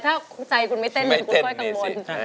ถ้าใจคุณไม่เต้นคุณค่อยกังวล